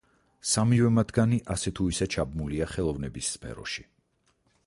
სამივე მათგანი ასე თუ ისე ჩაბმულია ხელოვნების სფეროში.